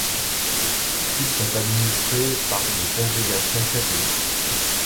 Toutes sont administrées par des congrégations catholiques.